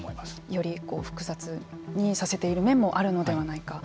より複雑にさせている面もあるのではないかと。